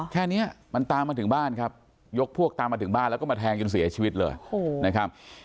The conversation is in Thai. แค่นี้มันตามมาถึงบ้านครับยกพวกตามมาถึงบ้านแล้วก็มาแทงจนเสียชีวิตเลยนะครับ